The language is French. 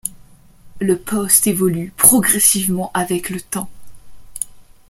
Le poste évolue progressivement avec le temps.